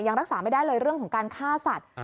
ยังรักษาไม่ได้เลยเรื่องของการฆ่าสัตว์